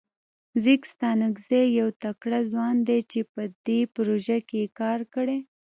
ځیګ ستانکزی یو تکړه ځوان ده چه په دې پروژه کې یې کار کړی.